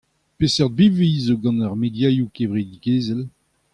Peseurt birvilh a zo gant ar mediaoù kevredigezhel ?